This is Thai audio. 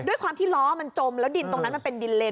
ด้วยความที่ล้อมันจมแล้วดินตรงนั้นมันเป็นดินเลน